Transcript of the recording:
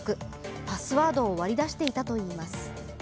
パスワードを割り出していたといいます。